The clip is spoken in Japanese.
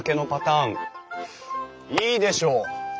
いいでしょう。